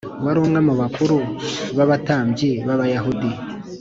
wari umwe mu bakuru b abatambyi b Abayahudi